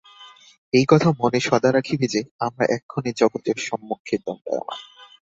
এই কথা মনে সদা রাখিবে যে, আমরা এক্ষণে জগতের সমক্ষে দণ্ডায়মান।